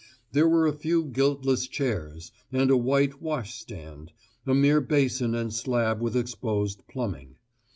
There were a few giltless chairs, and a white "wash stand," a mere basin and slab with exposed plumbing.